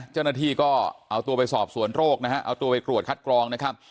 เจ้าหน้าที่ก็เอาตัวไปสอบสวนโรคนะฮะเอาตัวไปตรวจคัดกรองนะครับ